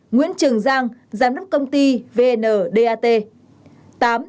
bảy nguyễn trường giang giám đốc công ty vndat